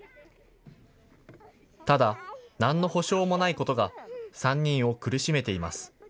ただ、なんの保証もないことが３人を苦しめています。